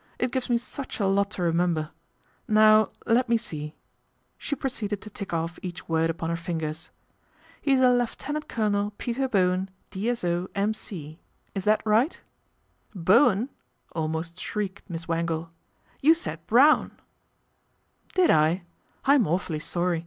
It gives me such a lot to remember. Now let me see." She proceeded to tick off each word upon her fingers. '' He's a Lieutenant Colonel Peter Bowen, D.S.O., M.C. Ts that right ?" 42 PATRICIA BRENT, SPINSTER " Bowen," almost shrieked Miss Wangle. " You said Brown "" Did I ? I'm awfully sorry.